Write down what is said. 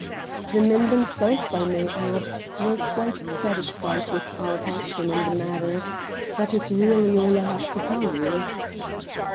The men themselves, I may add, were quite satisfied with our action in the matter. That is really all I have to tell you."